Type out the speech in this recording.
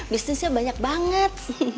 bisnisnya banyak banget